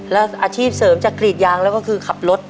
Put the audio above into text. แล้วอาชีพเสริมจากกรีดยางแล้วก็คือขับรถ